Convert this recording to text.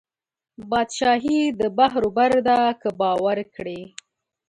بادشاهي د بحر وبر ده که باور کړې